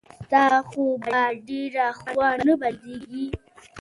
ستا خو به ډېره خوا نه بدېږي.